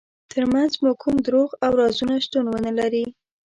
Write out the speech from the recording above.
ترمنځ مو کوم دروغ او رازونه شتون ونلري.